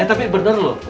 eh tapi bener loh